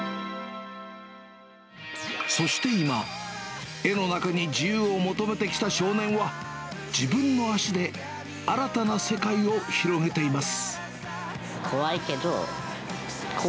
そして今、絵の中に自由を求めてきた少年は、自分の足で新たな世界を広げています。